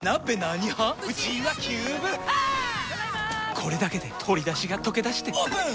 これだけで鶏だしがとけだしてオープン！